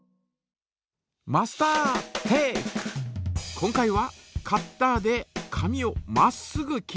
今回はカッターで紙をまっすぐ切る。